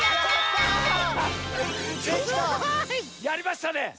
やりましたね！